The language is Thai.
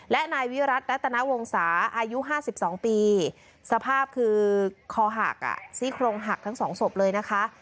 และนายวิรัตินัตรณวงศาอายุห้าสิบสองปีสภาพคือคอหักอ่ะซี่โครงหักทั้งสองศพเลยนะคะ